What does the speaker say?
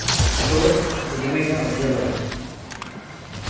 Source: "The Jamaica Observer"